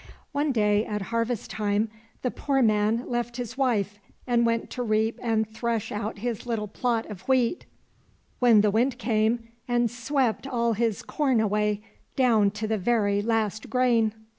One day, at harvest time, the poor man left his wife and went to reap and thresh out his little plot of wheat, but the Wind came and swept all his corn away down to the very last grain.